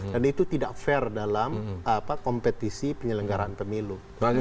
dan itu tidak fair dalam kompetisi penyelenggaraan pemilu